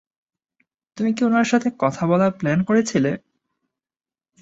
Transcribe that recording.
তুমি কি উনার সাথে কথা বলার প্ল্যান করছিলে?